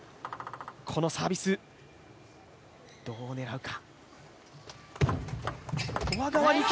このサービス、どう狙うか。